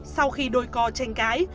sau khi đôi co tranh cãi